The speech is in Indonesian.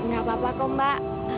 nggak apa apa kok mbak